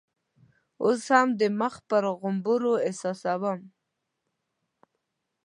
اوس هم د مخ پر غومبرو احساسوم.